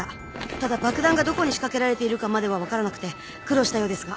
ただ爆弾がどこに仕掛けられているかまでは分からなくて苦労したようですが。